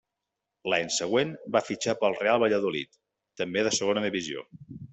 L'any següent va fitxar pel Real Valladolid, també de Segona Divisió.